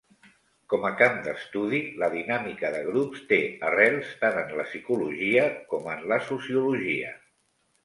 Com a camp d'estudi, la dinàmica de grups té arrels tant en la psicologia com en la sociologia.